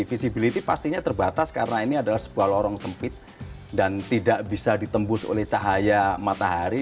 visibility pastinya terbatas karena ini adalah sebuah lorong sempit dan tidak bisa ditembus oleh cahaya matahari